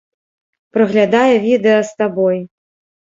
Праглядае відэа з сабой.